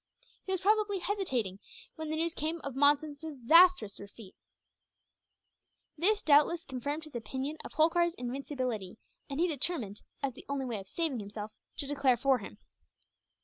He was probably hesitating, when the news came of Monson's disastrous retreat. This doubtless confirmed his opinion of Holkar's invincibility; and he determined, as the only way of saving himself, to declare for him."